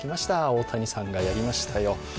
大谷さんがやりましたよ。